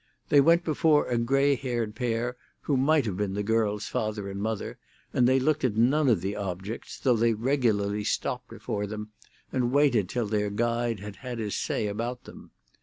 They went before a grey haired pair, who might have been the girl's father and mother, and they looked at none of the objects, though they regularly stopped before them and waited till their guide had said his say about them.